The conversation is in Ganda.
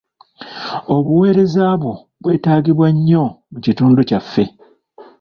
Obuweereza bwo bwetaagibwa nnyo mu kitundu kyaffe.